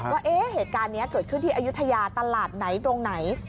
ว่าเหตุการณ์นี้เกิดขึ้นที่อายุทยาตลาดไหนตรงไหน